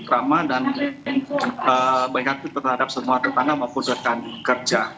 ramah dan baik hati terhadap semua tetangga maupun rekan kerja